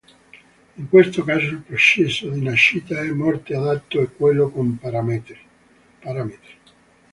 In questo caso il processo di nascita e morte adatto è quello con parametri